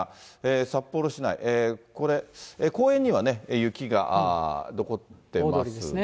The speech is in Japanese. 札幌市内、これ、公園には雪が残ってますが。